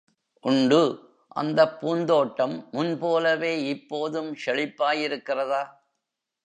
உண்டு.... அந்தப் பூந்தோட்டம் முன்போலவே இப்போதும் செழிப்பாயிருக்கிறதா?